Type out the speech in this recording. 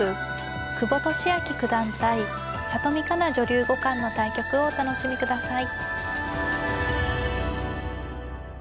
久保利明九段対里見香奈女流五冠の対局をお楽しみください。